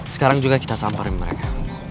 sekarang juga kita samparin mereka